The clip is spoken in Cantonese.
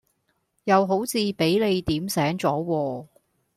又好似俾你點醒左喎